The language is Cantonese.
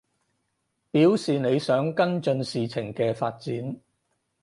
表示你想跟進事情嘅發展